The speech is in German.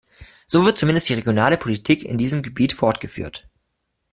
So wird zumindest die regionale Politik in diesem Gebiet fortgeführt.